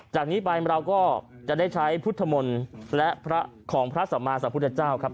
จากนี้ไปเราก็จะได้ใช้พุทธมนต์และของพระสัมมาสัมพุทธเจ้าครับ